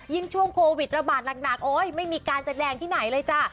ช่วงโควิดระบาดหนักโอ๊ยไม่มีการแสดงที่ไหนเลยจ้ะ